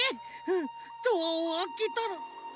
うんドアをあけたの。